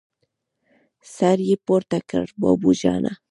سر يې پورته کړ: بابو جانه!